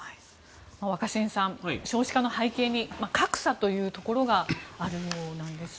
若新さん、少子化の背景に格差があるようなんです。